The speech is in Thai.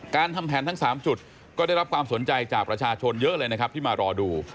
ทำแผนทั้ง๓จุดก็ได้รับความสนใจจากประชาชนเยอะเลยนะครับที่มารอดู